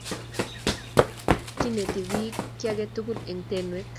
Kinete pik kiaketugul en tenwek